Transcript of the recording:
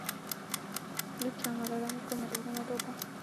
licha ya malalamiko madogo madogo